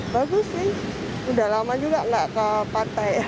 bagus sih sudah lama juga tidak ke pantai